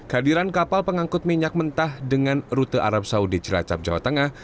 kehadiran kapal pengangkut minyak mentah dengan rute arab saudi celacap jawa tengah